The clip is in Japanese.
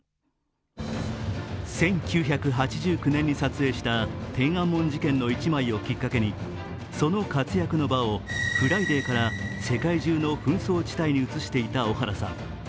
１９８９年に撮影した天安門事件の一枚をきっかけにその活躍の場を「ＦＲＩＤＡＹ」から世界中の紛争地帯に移していた小原さん。